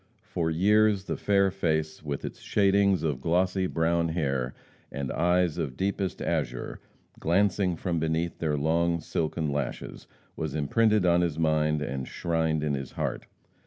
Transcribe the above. For years the fair face, with its shadings of glossy brown hair, and eyes of deepest azure, glancing from beneath their long silken lashes, was imprinted on his mind and shrined in his heart.